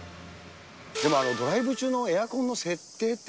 でもドライブ中のエアコンの設定って？